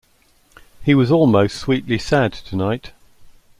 He was almost sweetly sad tonight.